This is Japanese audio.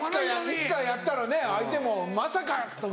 いつかやったらね相手も「まさか！」と思う。